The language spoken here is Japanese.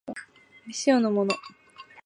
未使用のもの